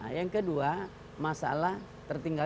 yang kedua masalah tertinggal